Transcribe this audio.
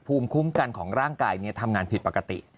ภูมิคุ้มกันของร่างกายทำงานผิดปกติ